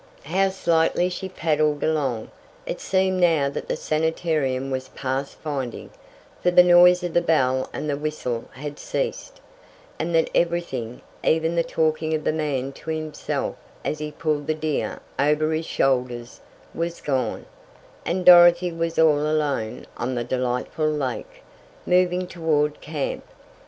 How lightly she paddled along! It seemed now that the sanitarium was past finding, for the noise of the bell and the whistle had ceased, and that everything, even the talking of the man to himself as he pulled the deer over his shoulders, was gone, and Dorothy was all alone on the delightful lake, moving toward camp.